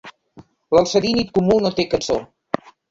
L'alcedínid comú no té cançó.